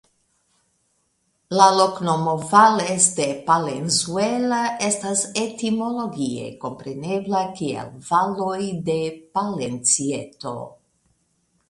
La loknomo "Valles de Palenzuela" estas etimologie komprenebla kiel "Valoj de Palencieto".